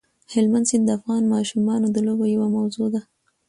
هلمند سیند د افغان ماشومانو د لوبو یوه موضوع ده.